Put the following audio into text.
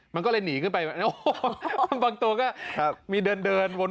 มันก็เลยหนีขึ้นไปบางตัวมันก็เดินทางเดินวน